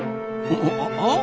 あっ！